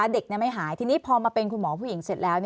เด็กไม่หายทีนี้พอมาเป็นคุณหมอผู้หญิงเสร็จแล้ว